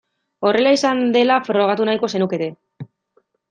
Horrela izan dela frogatu nahiko zenukete.